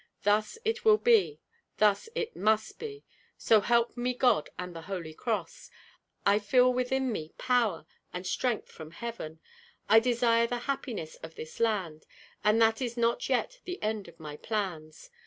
Thus it will be, thus it must be. So help me God and the holy cross! I feel within me power and strength from heaven, I desire the happiness of this land, and that is not yet the end of my plans.